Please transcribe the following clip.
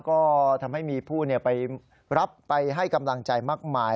ก็ทำให้มีผู้ไปรับไปให้กำลังใจมากมาย